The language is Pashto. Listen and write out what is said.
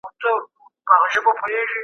د رسول الله صلی الله علیه وسلم لار تعقیب کړئ.